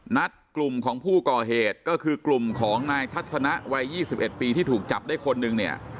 นัดกลุ่มของผู้ก่อเหตุก็คือกลุ่มของนายทัศนะวัย๒๑ปีที่ถูกจับได้คนหนึ่งเนี่ย